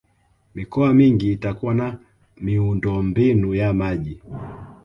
mikoa mingi itakuwa na miundombinu ya maji